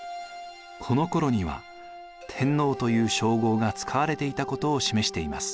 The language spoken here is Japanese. このころには天皇という称号が使われていたことを示しています。